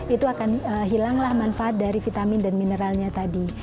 itu akan hilanglah manfaat dari vitamin dan mineralnya tadi